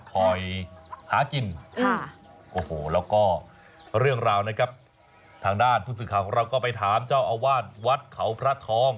คอยหากินค่ะโอ้โหแล้วก็เรื่องราวนะครับทางด้านผู้สื่อข่าวของเราก็ไปถามเจ้าอาวาสวัดเขาพระทอง